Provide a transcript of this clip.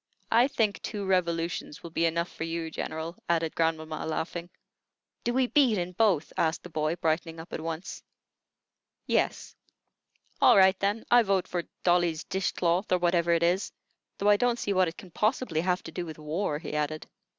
"I think two revolutions will be enough for you, General," added grandmamma, laughing. "Do we beat in both?" asked the boy, brightening up at once. "Yes." "All right, then. I vote for 'Dolly's Dish cloth,' or whatever it is; though I don't see what it can possibly have to do with war," he added.